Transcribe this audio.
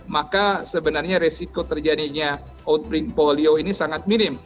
maka sebenarnya resiko terjadinya outpring polio ini sangat minim